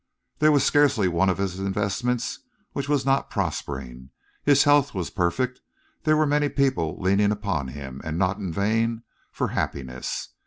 There was scarcely one of his investments which was not prospering. His health was perfect. There were many people leaning upon him, and not in vain, for happiness.